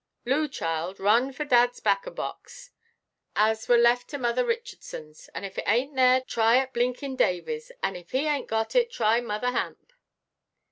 Loo, child, run for dadʼs bacco–box, as were left to Mother Richardsonʼs, and if it ainʼt there, try at Blinkin' Davyʼs, and if he ainʼt got it, try Mother Hamp."